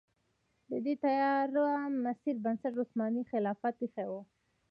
د دې تیاره مسیر بنسټ عثماني خلافت ایښی و.